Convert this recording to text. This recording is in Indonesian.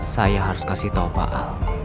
saya harus kasih tau pak al